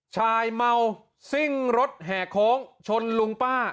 ชายเมาซิ่งรถแห่โค้งชนลุงป้า